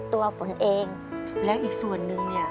ฝนเองแล้วอีกส่วนนึงเนี่ย